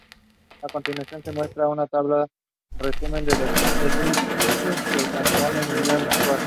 A continuación se muestra una tabla resumen de los edificios que componen Union Square.